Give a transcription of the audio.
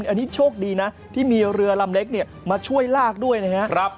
อันนี้โชคดีนะที่มีเรือลำเล็กมาช่วยลากด้วยนะครับ